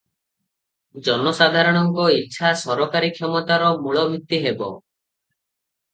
ଜନସାଧାରଣଙ୍କ ଇଚ୍ଛା ସରକାରୀ କ୍ଷମତାର ମୂଳଭିତ୍ତି ହେବ ।